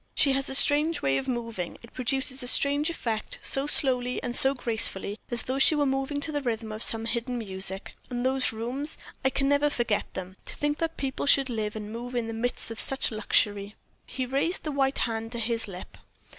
She has a strange way of moving it produces a strange effect so slowly and so gracefully, as though she were moving to the rhythm of some hidden music. And those rooms I can never forget them! To think that people should live and move in the midst of such luxury!" He raised the white hand to his lip.